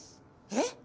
えっ！？